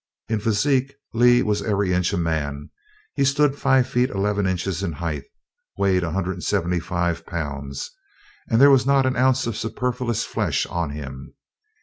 In physique Lee was every inch a man. He stood five feet eleven inches in height, weighed 175 pounds, and there was not an ounce of superfluous flesh on him.